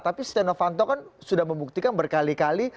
tapi setia novanto kan sudah membuktikan berkali kali